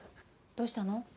どうしたの？